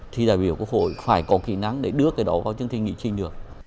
thì đại biểu quốc hội phải có kỹ năng để đưa cái đó vào chương trình nghị trình được